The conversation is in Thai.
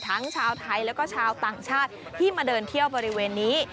ทั้งชาวไทยแล้วก็ชาวต่างชาติที่มาเดินเที่ยวบริเวณนี้